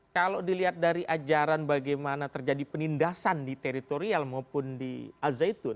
kalau dilihat dari ajaran bagaimana terjadi penindasan di teritorial maupun di al zaitun